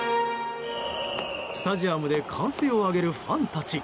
スタジアムで歓声を上げるファンたち。